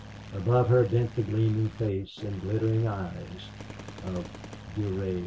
Above her bent the gleaming face and glittering eyes of Durade.